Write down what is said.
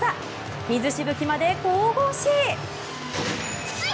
水しぶきまで神々しい。